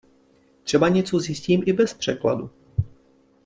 Třeba něco zjistím i bez překladu.